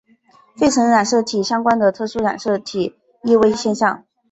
费城染色体相关的特殊染色体易位现象。